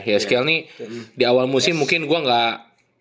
yeskiel ini di awal musim mungkin gue nggak